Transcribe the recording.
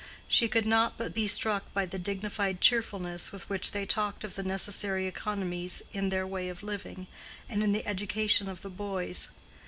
She could not but be struck by the dignified cheerfulness with which they talked of the necessary economies in their way of living, and in the education of the boys.